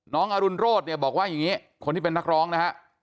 น้องอารุณโรธบอกว่าอย่างนี้คนที่เป็นนักร้องนะครับ